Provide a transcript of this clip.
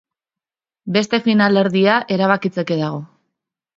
Beste finalerdia erabakitzeke dago.